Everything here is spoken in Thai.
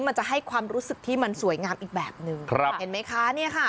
มันจะให้ความรู้สึกที่มันสวยงามอีกแบบหนึ่งครับเห็นไหมคะเนี่ยค่ะ